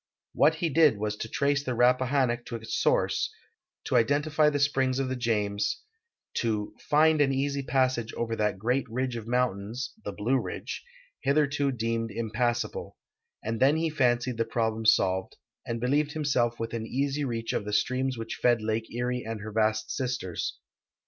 What he did was to trace the Rappahannock to its source, to JEFFERSON AS A GEOGRAPHER 269 identif}' tlie springs of the James, to " find an easy passage over tliat great ridge of mountains (the Blue Ridge') hitherto deemed impassable," and then he fancied the problem solved, and be lieved himself within easy reacli of the streams which fed lake Erie and her vast sisters.